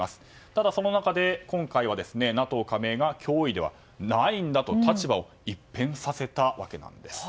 ただ、その中で今回はＮＡＴＯ加盟が脅威ではないと立場を一変させたわけなんです。